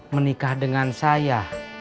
menikah dengan saya